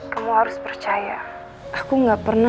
kamu harus percaya aku gak pernah